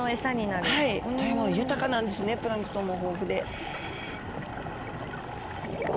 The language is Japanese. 富山湾は豊かなんですねプランクトンも豊富で。